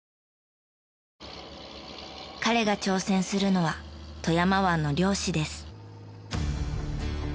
彼が挑戦するのは富山湾の漁師です。